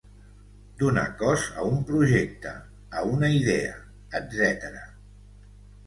Donar cos a un projecte, a una idea, etc.